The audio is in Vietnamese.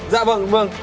dạ vâng vâng